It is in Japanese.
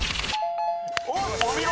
［お見事！］